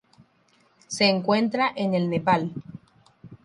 Se encuentra en el Nepal.